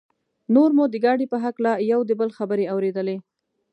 نور مو د ګاډي په هکله یو د بل خبرې اورېدلې.